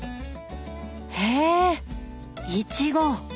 へえイチゴ！